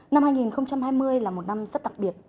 năm hai nghìn hai mươi là một năm rất đặc biệt